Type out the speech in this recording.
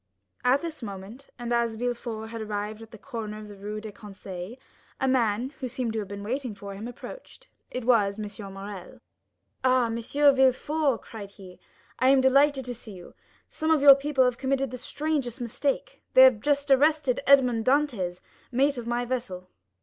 At this moment, and as Villefort had arrived at the corner of the Rue des Conseils, a man, who seemed to have been waiting for him, approached; it was M. Morrel. "Ah, M. de Villefort," cried he, "I am delighted to see you. Some of your people have committed the strangest mistake—they have just arrested Edmond Dantès, mate of my vessel."